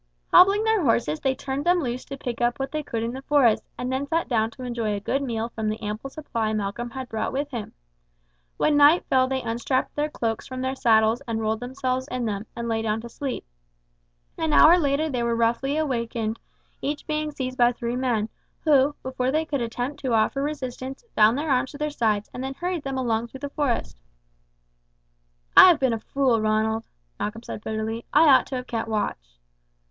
Hobbling their horses, they turned them loose to pick up what they could in the forest, and then sat down to enjoy a good meal from the ample supply Malcolm had brought with him. When night fell they unstrapped their cloaks from their saddles and rolled themselves in them, and lay down to sleep. An hour later they were roughly awakened, each being seized by three men, who, before they could attempt to offer resistance, bound their arms to their sides, and then hurried them along through the forest. "I have been a fool, Ronald," Malcolm said bitterly; "I ought to have kept watch."